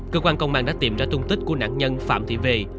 cơ quan công an đã tìm ra tung tích của nạn nhân phạm thị về